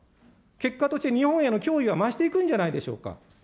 結果として日本への脅威は増していくんじゃないでしょうか。